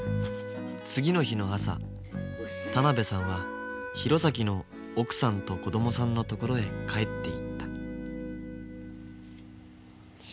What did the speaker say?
次の日の朝田辺さんは弘前の奥さんと子どもさんのところへ帰っていった茂。